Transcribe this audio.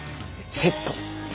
セット。